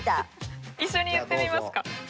一緒に言ってみますか？